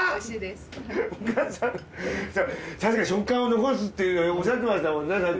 確かに食感は残すっておっしゃってましたもんね。